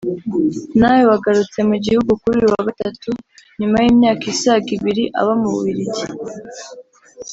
nawe wagarutse mu gihugu kuri uyu wa Gatatu nyuma y’imyaka isaga ibiri aba mu Bubiligi